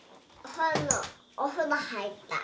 お風呂入った。